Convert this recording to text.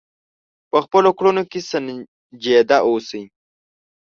په خپلو کړنو کې سنجیده اوسئ.